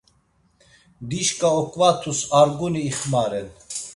Dişka oǩvatus arguni ixmaren.